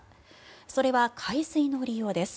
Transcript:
それは海水の利用です。